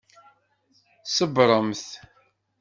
Ṣebṛemt!